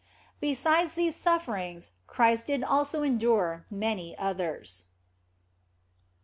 Beside these sufferings Christ did also endure many others.